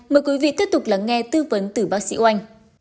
mời quý vị tiếp tục lắng nghe tư vấn từ bác sĩ oanh